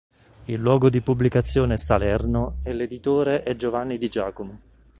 Il luogo di pubblicazione è Salerno e l'editore è Giovanni Di Giacomo.